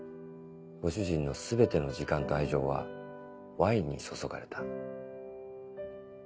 ご主人の全ての時間と愛情はワインに注がれた。